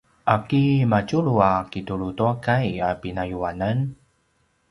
’aki madjulu a kitulu tua kai a pinayuanan?